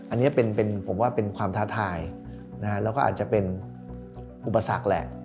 อันนี้ผมว่าเป็นความท้าทายแล้วก็อาจจะเป็นอุปสรรคแหละ